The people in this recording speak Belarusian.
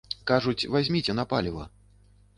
Кажуць, вазьміце на паліва.